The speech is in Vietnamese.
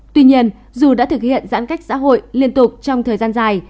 tuy nhiên dù đã thực hiện giãn cách xã hội liên tục trong thời gian dài